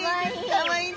かわいい。